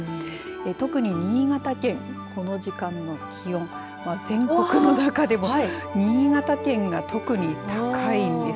特に新潟県、この時間の気温全国の中でも新潟県が特に高いんです。